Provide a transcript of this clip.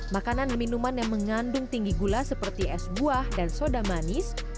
makanan dan minuman yang mengandung tinggi gula seperti es buah dan soda manis